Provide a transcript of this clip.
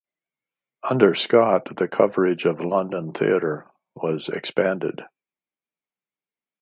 Under Scott the coverage of London theatre was expanded.